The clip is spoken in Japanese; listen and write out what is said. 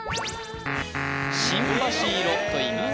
新橋色といいます